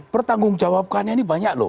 pertanggungjawabkannya ini banyak loh